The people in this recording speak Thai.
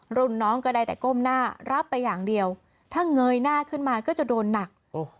รุ่นน้องก็ได้แต่ก้มหน้ารับไปอย่างเดียวถ้าเงยหน้าขึ้นมาก็จะโดนหนัก